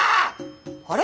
あれ？